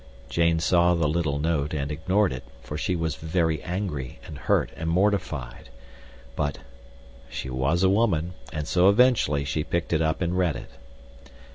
Jane saw the little note and ignored it, for she was very angry and hurt and mortified, but—she was a woman, and so eventually she picked it up and read it.